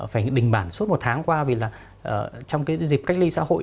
phải đình bản suốt một tháng qua vì là trong cái dịp cách ly xã hội